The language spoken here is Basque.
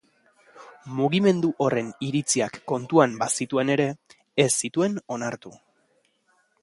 Mugimendu horren iritziak kontuan bazituen ere, ez zituen onartu.